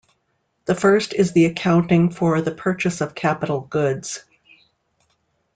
The first is the accounting for the purchase of capital goods.